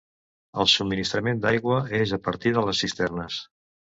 El subministrament d'aigua és a partir de les cisternes.